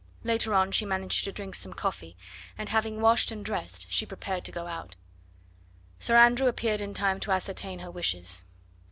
Later on she managed to drink some coffee, and having washed and dressed, she prepared to go out. Sir Andrew appeared in time to ascertain her wishes.